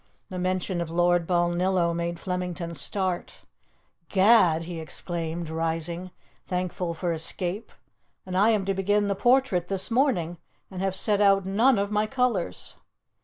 The mention of Lord Balnillo made Flemington start. "Gad!" he exclaimed, rising, thankful for escape, "and I am to begin the portrait this morning, and have set out none of my colours!"